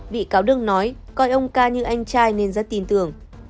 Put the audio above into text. bị cáo đương nói coi ông ca như anh trai nên rất tin tưởng